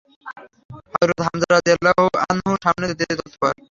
হযরত হামযা রাযিয়াল্লাহু আনহু সামনে যেতে তৎপর।